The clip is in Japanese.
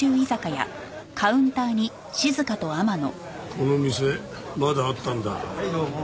この店まだあったんだ。